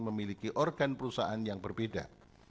memiliki organ perusahaan yang berbeda